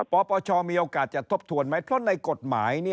ปปชมีโอกาสจะทบทวนไหมเพราะในกฎหมาย